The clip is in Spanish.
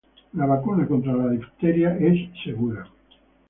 Las vacunas contra la difteria son seguras